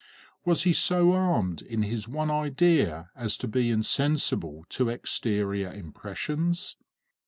Was he so armed in his one idea as to be insensible to exterior impressions?